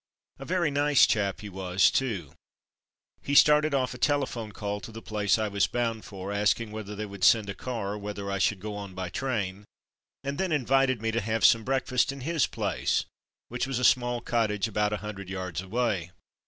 A very nice chap he was, too. He started off a telephone call to the place I was bourkd for, asking whether they would send a car or whether I should go on by train, and then invited me to have some breakfast in his place, which was a small cottage about a hundred yards away.